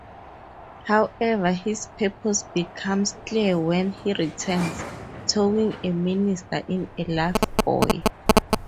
However, his purpose becomes clear when he returns, towing a minister in a lifebuoy.